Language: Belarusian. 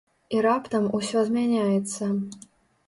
І раптам усё змяняецца.